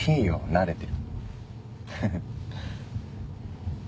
慣れてる。